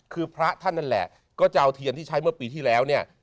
คือพระท่านนั่นแหละก็จะเอาเทียนที่ใช้เมื่อปีที่แล้วเนี่ย